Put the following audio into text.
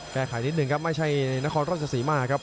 แก้ไขนิดหนึ่งครับไม่ใช่นครราชสีมาครับ